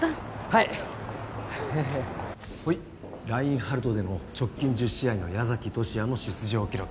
はいはいラインハルトでの直近１０試合の矢崎十志也の出場記録